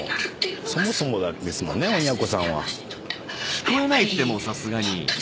聞こえないってさすがに。